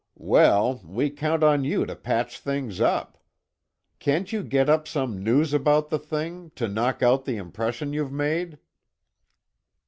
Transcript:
"Well, we count on you to patch things up. Can't you get up some news about the thing, to knock out the impression you've made?"